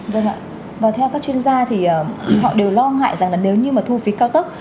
vâng ạ và theo các chuyên gia thì họ đều lo ngại rằng là nếu như mà thu phí cao tốc